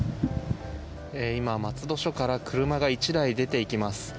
今、松戸署から車が１台出ていきます。